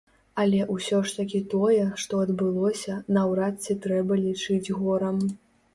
Але ўсё ж такі тое, што адбылося, наўрад ці трэба лічыць горам.